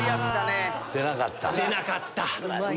出なかった。